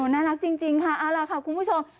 น่ารักจริงค่ะเอาล่ะค่ะคุณผู้ชม